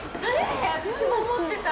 私も思ってた。